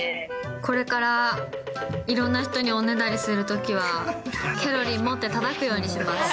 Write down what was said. これからいろんな人におねだりするときは、ケロリン持ってたたくようにします。